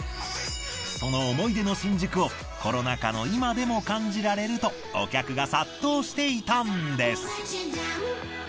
その思い出の新宿をコロナ禍の今でも感じられるとお客が殺到していたんです。